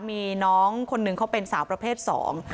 มีน้องคนหนึ่งเขาเป็นสาวประเภทสอง